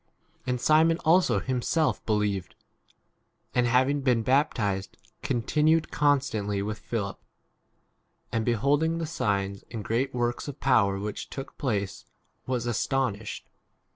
And Simon also himself believed; and, having been bap tized, continued constantly with Philip ; and, beholding v the signs and great works of power which 14 took place, was astonished.